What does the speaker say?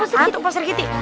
apaan tuh pak seri itik